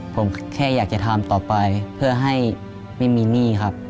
ผมแค่อยากจะทำต่อไปเพื่อให้ไม่มีหนี้ครับ